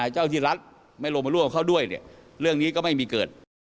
เจ้าที่รัฐไม่ลงมาร่วมเขาด้วยเรื่องนี้ก็ไม่มีเกิด